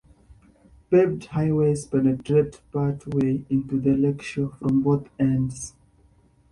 Paved highways penetrate part way into the lakeshore from both ends.